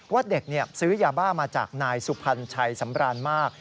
ว่าเด็กซื้อยาบ้ามาจากนายสุพรรณชัยสำราญมาก